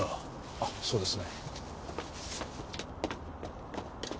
あっそうですね。